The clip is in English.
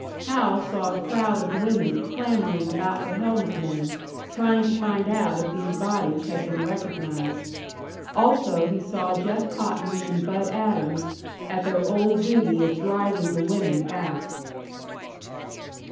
Hal saw a crowd of women clamouring about the helmet men, trying to find out if these bodies had been recognised. Also he saw Jeff Cotton and Bud Adams at their old duty of driving the women back.